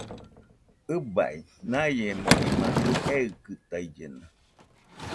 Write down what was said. ɨbai, naiemo imakɨ eikɨtaillena